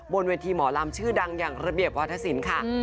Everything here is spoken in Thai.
บนเวทีหมอลำชื่อดังอย่างระเบียบวัฒนศิลป์ค่ะ